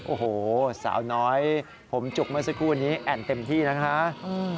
โอ้โหสาวน้อยผมจุกเมื่อสักครู่นี้แอ่นเต็มที่นะคะ